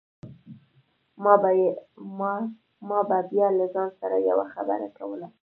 ما به بيا له ځان سره يوه خبره کوله.